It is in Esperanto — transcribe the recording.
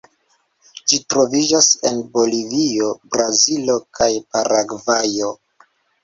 Ĝi troviĝas en Bolivio, Brazilo kaj Paragvajo.